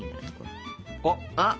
あっ！